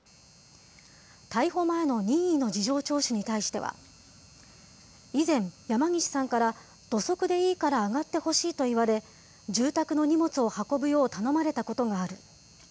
逮捕前の任意の事情聴取に対しては、以前、山岸さんから土足でいいから上がってほしいと言われ、住宅の荷物を運ぶよう頼まれたことがある。